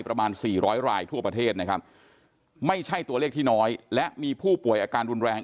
ประมาณสี่ร้อยรายทั่วประเทศนะครับไม่ใช่ตัวเลขที่น้อยและมีผู้ป่วยอาการรุนแรง